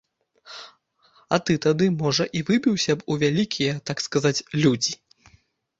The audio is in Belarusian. А ты тады, можа, і выбіўся б у вялікія, так сказаць, людзі.